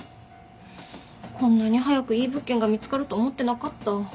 こんなに早くいい物件が見つかると思ってなかった。